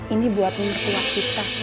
ini buat ngerti waktu kita